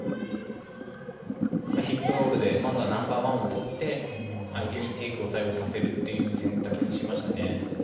ヒットロールでまずはナンバーワンを取って相手にテイクを最後させるという判断にしましたね。